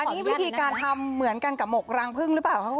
อันนี้วิธีการทำเหมือนกันกับหมกรังพึ่งหรือเปล่าครับ